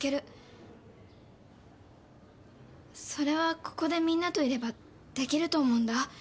それはここでみんなといればできると思うんだ。